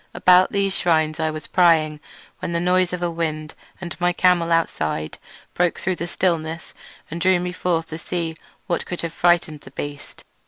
About these shrines I was prying when the noise of a wind and of my camel outside broke through the stillness and drew me forth to see what could have frightened the beast.